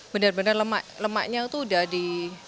benar benar lemaknya itu udah di